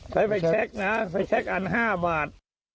ใช้ไฟแชคนะฮะไฟแชคอัน๕บาท